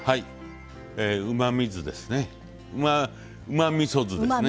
うまみそ酢ですね。